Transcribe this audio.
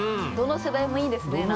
どの世代もいいですね。